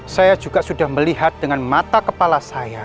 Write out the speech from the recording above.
saya juga sudah melihat dengan mata kepala saya